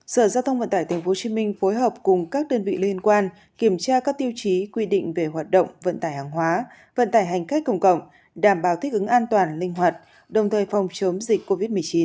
sở giao thông vận tải tp hcm phối hợp cùng các đơn vị liên quan kiểm tra các tiêu chí quy định về hoạt động vận tải hàng hóa vận tải hành khách công cộng đảm bảo thích ứng an toàn linh hoạt đồng thời phòng chống dịch covid một mươi chín